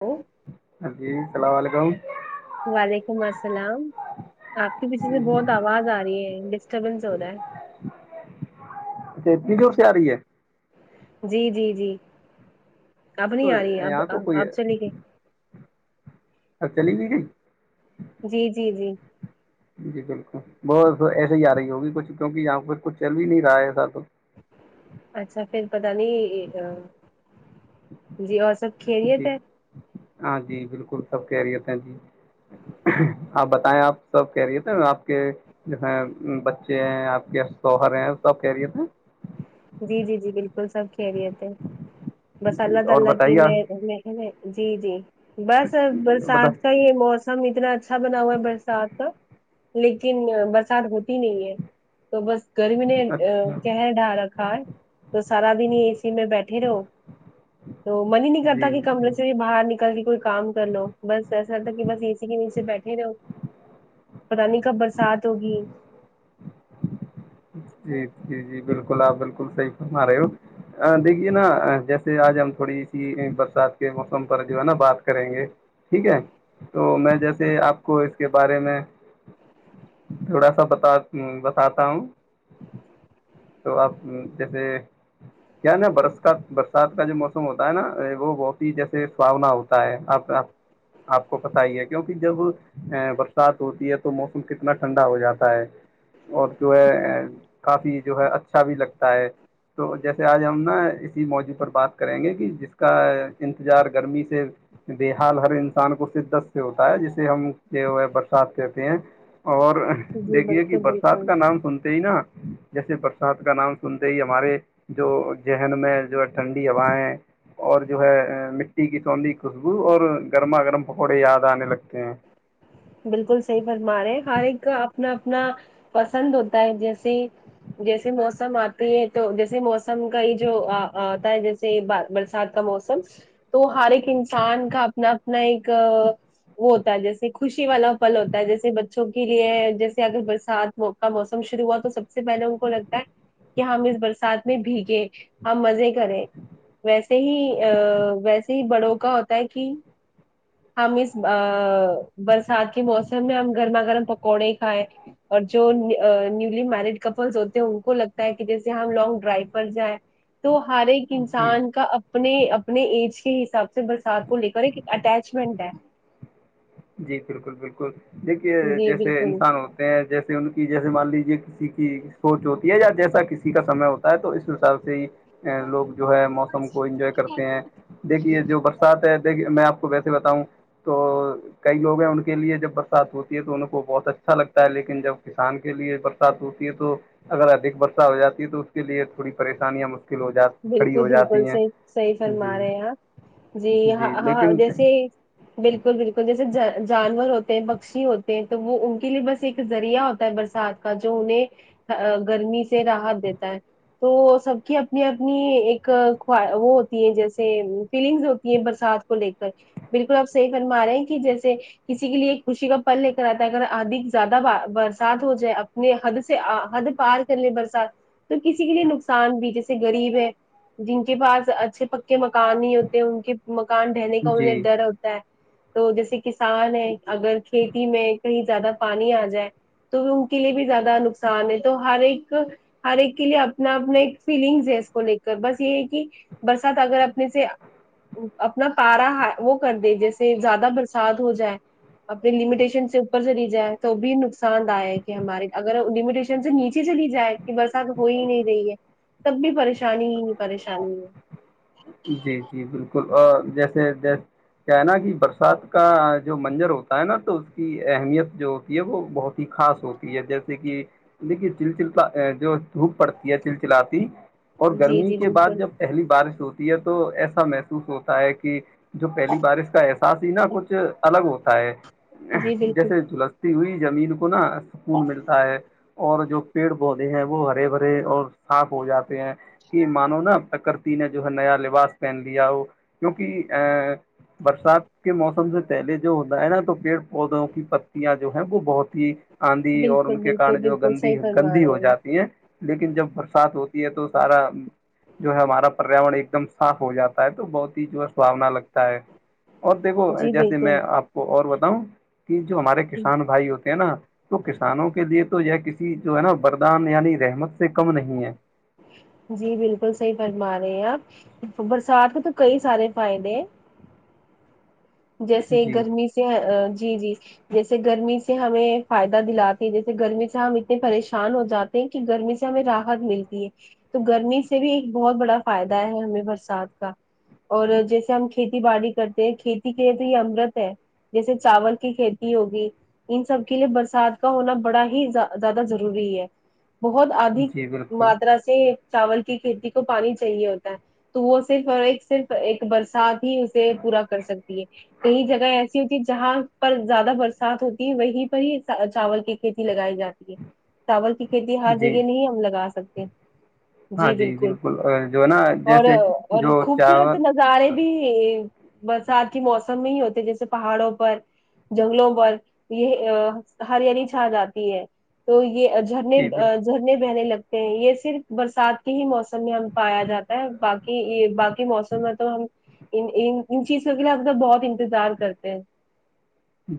hello [unintelligible] ہاں جی سلام وعلیکم وعلیکم السلام آپ کے پیچھے سے بہت آواز آ رہی ہے ڈسٹربینس ہو رہا ہے اچھا کی کی اف سے آ رہی ہے جی جی جی اب نہیں تو آ رہی اب یہاں تو کوئی اب چلی گئی اب چلی بھیئی گئی جی جی جی جی بالکل بہت ایسے ہی آ رہی ہوگی کچھ کیونکہ یہاں پہ کچھ چل بھی نہیں رہا ہے س تو اچھا پھر پتا نہیں جی اور سب کھیریت جی ہے ہاں جی بالکل سب کہریت ہیں جی ہاں بتائیں آپ سب کہہ رہیے تھے آپ کے جو ہے بچے ہیں آپ کے شوہرے سب کہہرییے تھے جی جی جی بالکل سب کھیلے تھے بس جی اللہ اور تعالی کی بتائیے آپ میں جی جی بس جی بتائیں برسات کا ہی موسم ہم اتنا اچھا بنا ہوا ہے برسات کا لیکن برسات ہوتی نہیں ہے تو بس گرمی نے اچھا قہر ڈھالا ہ تو سارا دن ہی اے سی میں بیٹھے رہو تو من ہی نہیں کرتا جی کہ جی کمرے سے بھی باہر نکل کے کوئی کام کر لو بس ایسا لتا کہ بس اے سی کے نیچ سے بیٹھے رہو پت نہیں کب برسات ہوگی جی جی جی بالکل آپ بالکل صحی فرما رہے ہو دیکھیے نا جیسے آج ہم تھوڑی سی برسات کے موسم پر جو ہے نا بات کریں گے ٹھیک ہے تو میں جیسے آپ کو اس کے بارے میں تھوڑا سا بتا بتاتا ہوں تو آپ جیسے کیا نا برس کا برسات کا جو موسم ہوتا ہے نا وہ بہت ہی جیسے ساونا ہوتی آپ آپ کو پتا ہی ہے کیونکہ جب ا برسات ہوتی ہے تو موسم کتنا ٹھنڈا ہو جاتا ہے اور جو ہے کافی جو ہے اچھا بھی لگتا ہے تو جیسے آج ہم نا اسی موجوع پر بات کریں گے کہ جس کا انتظار گرمی سے د حال ہر انسان کو شدت سے ہوتا ہے جسے ہم یہ ہوئے برسات کہتے ہیں اور جی دیکھیے کہ بالکل برسات بالکل کا نام سنتا ہی نا جیسے پرساد کا نام سنتے ہی ہمارے جو ذہن میں جو ہے ٹھنڈی ہوایں اور جو ہے مٹی کی چونندی خوشبو اور گرما گرم پکوڑے یاد آنے لگتے ہیں بالکل صحیح فرما رہے ہیں ہر ایک کا اپنا اپنا پسند ہوتا ہے جیسے جیسے موسم آتی ہے تو جیسے موسم کا ہی جو آتا ہے جیس ج برسات کا موسم تو ہر ایک انسان کا اپنا اپنا ایک وہ ہوتا ہے جیسے خوشی والا پھل ہوتا ہے جیسے بچوں کے لیے جیسے اگر برسات کا موسم شروع ہوا تو سب سب سے پہلے ان کو لگتا ہے کہ ہم اس برسات میں بھیگے ہم مزے کریں ویسے ہی ا ویسے ہی بڑوں کاا ہوتا ہے کہ ہم اس برسات کے موسم میں ہم گرما گرم پکوڑے ہی کھائے اور جو نیولی میرڈ کپلس ہوتے ہیں ان کو لگتا ہے کہ جیسے ہم لانگ ڈرائیو پر جائیں تو ہر ایک جی انسان کا اپنے اپنے ایج کے حساب سے برسات کو لے کر ایک اٹیچمنٹ ہے جی بالکل بالکل دیکھیے جی جیسے بالکل انسان ہو جیسے ان کی جیسے مان لیجیے کسی کی سوچ ہوتی ہے یا جیسا کسی کا سمے ہوتا ہے تو اس حساب سے ہی لوگ جو ہے موسم کو انجوائے کرتے ہیں دیکھیے جو بر ساتھ ہے دیکھی میں آپ کو ویسے بتاؤں تو کئی لوگ ہیں ان کے لیے جب برسات ہوتی ہے تو ان کو بہت اچھا لگتا ہے لیکن جب کسان کے لیے ہوتی ہے تو اگر ادک برسات ہو جاتی ہے تو اس کے لیے تھوڑی پریشانیاں مشکل ہو جاتی کھڑی بالکل ہو بالکل جاتی ہیں صحیح صحی فرما جی رہے ہیں آپ جی ہاں ہاں جیسے بالکل بالکل جیسے جانور ہوتے ہیں پکشی ہوتے ہیں تو وہ ان کے لیے بس ایک ذریعہ ہوتا ہے برسات کا جو انہیں گرمی سے راحت دیتا ہے تو سب کی میں اپنی ایکو وہ ہوتی ہے جیسے فیلنگز ہوتی ہیں برسات کو لے کر بالکل آپ صحی فنما رہے ہیں کہ جیسے کسی کے لیے ایک خوشی کا پل لے کر آتا ہے اگر ادک زیادہ برسات ہو جائے اب اپنے حد سے حد پار کر لیں برسات تو کسی کے لیے نقصان بھی جیس غریب ہے جن کے پاس اچھے پکے مکان نہیں ہوتے ان کے مکان ڈہنے کا انہیں جی ڈر ہوتا تو جیسے کسان ہے اگر کھیتی میں کہیں زیادہ پانی آ جائے تو ان کے لیے بھی زیادہ نقصان ہے تو ہر ایک ہر ایک کے لیے اپنا اپنا ایک فیلنگس ہے اس کو لے کر بس یہ ہے کہ برسات اگر اپنے سے اپنا پارا وہ کر دے جیسے زیادہ برسات ہو جائے اپنے لمیٹیشن سے اوپر سے لی جائیں تو بھی نقصان د آ ہے کہ ہمارے اگرٹیشن سے نیچے چلی جائے کہ برسات ہو ہی نہیں رہی ہے تب بھی پریشانی ہی پریشانی ہے جی جی بالکل اور جیسے جیس کیا ہے نا کہ برسات کا جو منظر ہوتا ہے نا تو اس کی اہمیت جو ہوتی ہے وہ بہت خاص ہوتی ہے جیسے کہ دیکھیے چ چ جو دھوپ پڑتی ہے چل چلی اور ہے جی گرمی جی کے بعد بالکل جب پہلی بارش ہوتی ہے تو ایسا محسوس ہوتا ہے کہ جو پہلی بارش کا احساس ہی نا کچھ الگ ہوتا ہے جی بالکل جیسے جس ہوئی زمین کو نا سکون ملتا ہے اور جو پیڑ بہت وہ ہرے بھرے اور صاف ہو جاتے ہیں کہ مانو نا ت کرتیین جو ہے نیا لباس پہن لیا وہ کیونکہ ا برسات کے موسم سے پہلے جو ہوتا ہے نا تو پیڑ پودوں کی پ یاں جو ہے وہ بہت ہی آندھی اور ان بالکل کے کن بالکل جو بالکل گندی صحیح فرما گندی رہے ہو جاتی ہیں لیکن جب برسات ہوتی ہے تو سارا جو ہے ہمارا پریاورن ایک دم صاف ہو جاتا ہے تو بہت ہی جو ہے سحانا لگتا ہے اور دیکھو ہیں جی جیسے میں بالکل آپ کو اور بتاؤں کہ جو ہمارے کسان بھائی ہوتے ہیں نا تو کسانوں کے لیے تو یہ کسی جو ہے نا بردان یعنی رحمت سے کم نہیں ہے جی بالکل صحیح فرما رہے ہیں آپ برسات کے تو کئی سارے فائد جیسے جی گرمی سے جی جی جیسے گرمی سے ہمیں فائدہ دلاتی جیسے گرمی سے ہم اتنے پریشان ہو جاتے کہ گرمی سے ہمیں رات ملتی ہے تو گرمی سے بھی ایک بہت بڑا فائدہ ہے ہمیں برسات کا اور جیسے ہم کھیتی باڑی کرتے ہیں کھیتی کے لیے تو یہ امرت ہے جیسے چاول کی کھیتی ہوگی ان سب کے لیے برسات کا ہونا بڑا ہی زیادہ ضروری ہے بہت ادھک جی بالکل ماترا سے چاول کی کھیتی کو پانی چاہیے ہوتا ہے تو وہ صرف اور ایک صرف ایک برسات ہی اسے پورا کر سکتی ہے کئی جگہ ایسی ہوتی ہے جہاں پر زیادہ برسات ہوتی وہیں پر ہی چاول کی کھیتی لگائی جاتی چاول کی کھیتی ہر جی جگہ نہیں ہم لگا سکتے ہاں جی بالکل اور جو ہے نا اور جیسے اور جو خوبصورت چاول ن زارے بھی ساتھ ہی موسم میں ہی ہوتے جیسے پہاڑوں پر جنگلوں پر یہ ہر انینی چھا جاتی ہے تو یہ جھرنے جی بالکل جھرنے بہنے لگتے ہیں یہ صرف برسات کے ہی موسم میں ہم پایا جاتا ہے باق کہ یہ باقی موسم میں تو ہم ان ان چیزوں کے لیے ہم بہت انتظار کرتے ہیں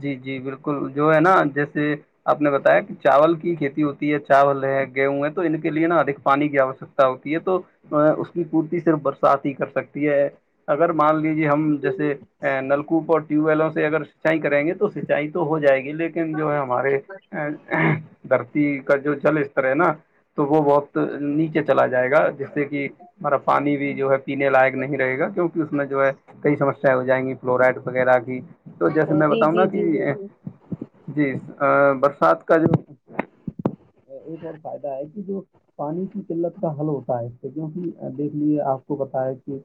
جی جی بالکل جو ہے نا جیسے آپ نے بتایا کہ چاول کی کھیتی ہوتی ہے چاول ہے گیہوں ہے تو ان کے لیے نا ادک پانی کی آوشکتا ہوتی ہے تو اس کی پورتی صرف برسات ہی کر سکتی ہے اگر مان لیج ہم جیسے نلکوپ اور ٹیوب ویلوں سے اگر سینچائی کریں گے تو سینچائی تو ہو جائے گی لیکن لن جو ہے ہمارے دھرتی کا جو جل اس طر ہے نا تو وہ بہت نیچے چلا جائے گا جس سے کہ ہمارا پانی بھی جو ہے پینے لائق نہیں رہے گا کیوںکہ اس میں جو ہے کئی سمسیا ہو جائیں گی فلورائڈ وغیرہ کی تو جیسے میں جی بتاؤں گا جی جی جی کہ جی جی برسات کا جو یہ ب اور فائدا ہے کہ جو پانی کی قلت کا حل ہوتا ہے اس سے کیونکہ دیکھ لیجے آپ کو بتا ہے کہ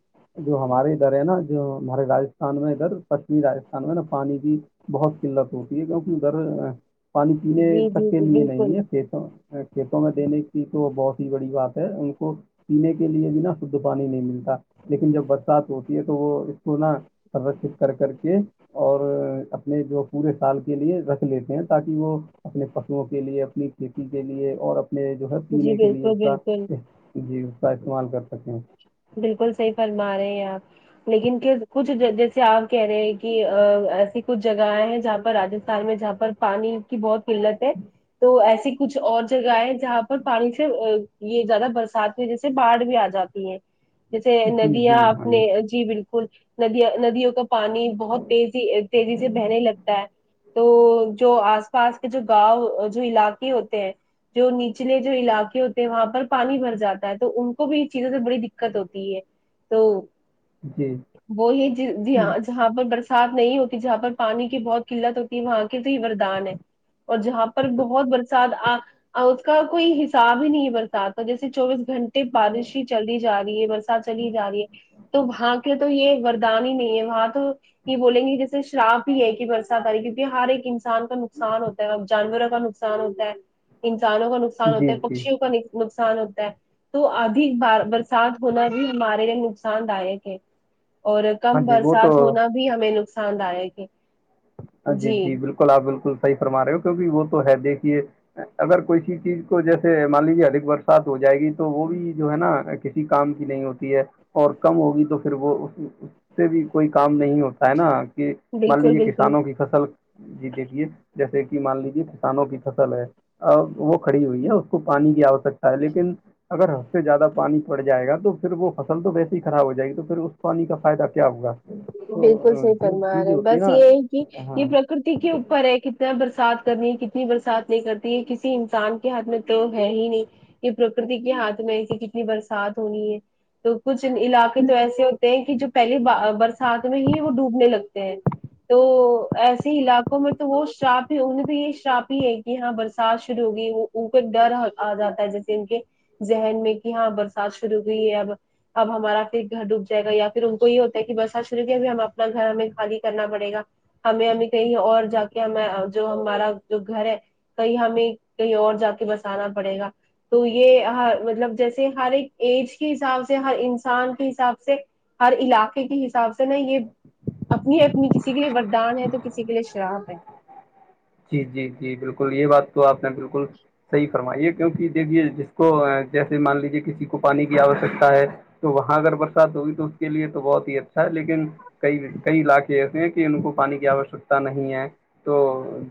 جو ہمارے ادھر ہے نا جو ہمارے راج ان میں ادھر پشچمی راجستھان میں نا پانی کی بہت قلت ہوتی ہے کیونکہ ادھر پانی پینے جی تک جی کے جی لیے بالکل نہیں کھیتوں میں دینے کی تو بہت ہی بڑی بات ہے ان کو پینے کے لیے بھی نا شھ پانی نہیں ملتا لیکن جب برسات ہوتی ہے تو وہ اس کو نا سدشت کر کر کے اور اپنے جو پورے سال کے لیے رکھ لیتے ہیں تاکہ وہ اپنے پشوؤں کے لیے اپنی کھیتی کے لیے اور اپنے جو ہے جی پینے کے لیے اس بالکل کا بالکل جی اس کا استعمال کر سکتے ہیں بالکل صحیح فرما رہے ہیں آپ لیکن کچھ جیسے آپ کہہ رہے ہیں کہ ایسی کچھ جگہیں ہیں جہاں پر رجستھان میں جہاں پانی کی بہت قلت ہے تو ایسی کچھ اور جگہ ہے جہاں پر پانی سے یہ زیادہ برسات کی وجہ سے باڑھ بھی آ جاتی ہے جیسے جی ندیاں جی ہاں اپنے جی بالکل ندیا ندیوں کا پانی بہت تیزی تیزی سے بہنے لگتا ہے تو جو آس پاس کے جو گاؤں جو علاقے ہوتے ہیں جو نیچلے جو علاقے ہوتے ہیں وہاں پر پانی بھر جاتا ہے تو ان کو بھی اس چیزوں سے بڑی دق دق ہوتی ہے تو جی وہ یہ ج جی ہاں جہاں پر برسات نہیں ہوتی جہاں پر پانی کی بہت قلت ہوتی ہے وہاں کی تو یہ وردان ہے اور جہاں پر بہت برسات اور اس کا کوئی حساب ہی نہیں برتا آتا جیسے چوبیس گھنٹے بارش ہی چلی جا رہی ہے برسات چلی جا رہی ہے تو وہاں تو یہ وردان ہی نہیں ہے وہاں تو یہ بولیں گے جیسے شراپ بھی ہے کہ برسات آ رہی ہے کیونکہ ہر ایک انسان کا نقصان ہوتا ا جانوروں کا نقصان ہوتا ہے انسانوں کا نقصان نقصان ہوتا جی ہے جی پکشیوں کا نقصان ہوتا ہے تو آدھی برسات ہونا بھی ہمارے لیے نقصان داک ہے اور ہاں کم جی وہ برسات تو ہونا بھی ہمیں نقصان ہے کہ جی جی بالکل آپ بالکل صحیح فرما رہے ہو کیونکہ وہ تو ہے دیکھیے اگر کو س چیز کو جیسے مان لیجیے ادک برسات ہو جائے گی تو وہ بھی جو ہے نا کسی کام کی نہیں ہوتی ہے اور کم ہوگی تو پھر وہ سے بھی کوئی کام نہیں ہوتا ہے نا کہ مان بالکل لیجے بالکل کسانوں کی فصل جی دیکھیے جیسے کہ مان لیجے کسانوں کی فصل ہے وہ کھڑی ہوئی ہے اس کو پانی کی آوشکتا ہے لیکن اگر ہد سے زیادہ پانی پڑ جائے گا تو پھر وہ فصل تو ویسی ہی خراب ہو جائے گی تو پھر اس پانی کا فائدہ کیا ہوگا تو بالکل صحی جو فنما چیز رہے ہیں ہوتی بس نا یہ ہے کہ یہ ہاں پرکرتی کے اوپر ہے کتنا برسات کرنی ہے کتنی برسات نہیں کرتی ہے کسی انسان ہاتھ میں تو ہے ہی نہیں یہ پرکرتی کے ہاتھ میں ایے کتنی برسات ہونی ہے تو کچھ علاقے تو ایسے ہوتے ہیں کہ جو پہلے برسات میں ہی وہ ڈوبنے لگتے ہیں تو ایسے علاقوں میں تو وہ شراپ ہی انیں تو یہ شراپ ہی ہے کہ ہاں برسات شروع ہوگی وہ اوپر ڈر آ جاتا ہے جیسے ان کے ذہن میں کہ ہاں برسات شروع ہوئی ہے اب اب ہمارا پھر گھر ڈوب جائےا یا پھر ان کو یہ ہوتا ہے کہ بس سچرو بھی ہم اپنا گھر ہمیں خالی کرنا پڑے گا ہمیں ہمیں کہیں اور جا کے ہم جو ہمارا جو گھر ہے کہیں ہمیں کہیں اور جا کے بسانا پڑے گا تو یہ ہر مطلب جیسے ہر ایک ایج کے حساب سے ہر انسان کے حساب سے ہر علاقے کی صاف سے یہ اپنی اپنی کسی کے لیے ردان ہے تو کسی کے لیے شرااب ہے جی جی جی بالکل یہ بات تو آپ نے بالکل صحیح فرمائیے کیونکہ دیکھیے جس کو جیسے مان لیجیے کسی کو پانی کی آوشکتا ہے تو وہاں اگر برسات ہوگی تو اس کے لیے تو بہت ہی اچھا ہے لیکن کئی کئی علاقے ایسے ہیں کہ ان کو پانی کی آوشکتا نہیں ہے تو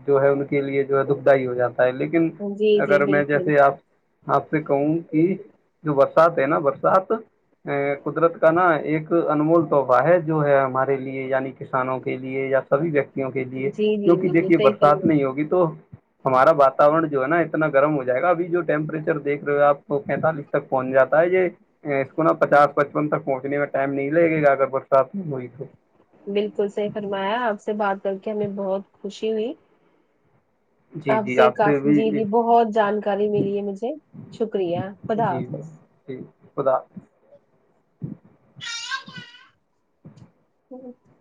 جو ہے ان کے لیے جو ہے دکھ دائی ہو جاتا ہے لیکن جی جی اگر میں بالکل جیسے آپ آپ سے کہوں کہ جو برسات ہے نا برسات قدرت کا نا ایک انمول تحفہ ہے جو ہے ہمارے لیے یعنی کسانوں کے لیے یا سبھی ویکتیوں کے لیے جی جی کیونکہ جی جی دیکھی یہ صحیح برسات فرمایا نہیں ہوگی تو ہمارا واورن جو ہے نا اتنا گرم ہو جائے گا ابھی جو ٹیمپریچر دیک رہے ہو آپ کو پینتالیس تک پہنچ جا ہے یہ اس کو نا پچاس پچپن تک پہنچنے میں ٹائم نہیں لگے گا اگر برسات میں ہوئی تو بالکل صحیح فرمایا آپ سے بات کر کے ہمیں بہت خوشی ہوئی جی آپ جی سے کافی بھی جی جی بہت جانکاری ملی ہے مجھے شکریہ خدا جی حافظ جی خدا ا [inaudible]